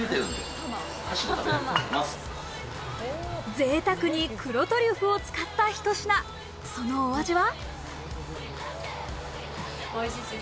ぜいたくに黒トリュフを使ったひと品、そのお味は。